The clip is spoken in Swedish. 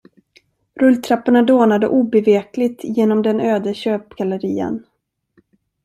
Rulltrapporna dånade obevekligt genom den öde köpgallerian.